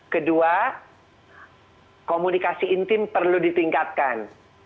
kedua komunikasi intim perlu ditingkatkan